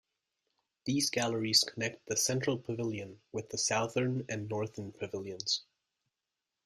These galleries connect the central pavilion with the southern and northern pavilions.